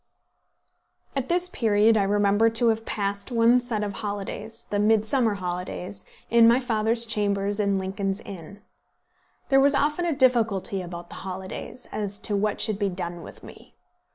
At this period I remember to have passed one set of holidays the midsummer holidays in my father's chambers in Lincoln's Inn. There was often a difficulty about the holidays, as to what should be done with me.